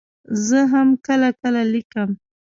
زه هم کله کله لیکم.